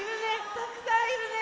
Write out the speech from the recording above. たくさんいるね。